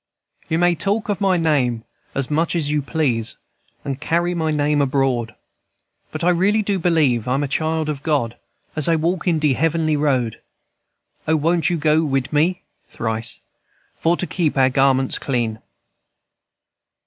"You may talk of my name as much as you please, And carry my name abroad, But I really do believe I'm a child of God As I walk in de heavenly road. O, won't you go wid me? (Thrice.) For to keep our garments clean.